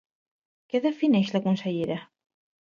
Què defineix la consellera?